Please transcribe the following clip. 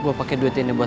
lalu ambil ribuan